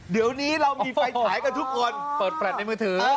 เดี๋ยวนี้เรามีไฟฉายกันทุกคนเปิดแฟลตในมือถือ